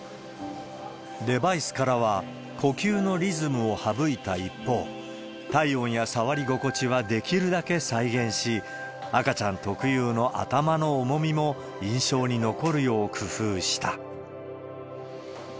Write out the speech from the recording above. デバイスからは、呼吸のリズムを省いた一方、体温や触り心地はできるだけ再現し、赤ちゃん特有の頭の重みも印象に残るよう工夫した。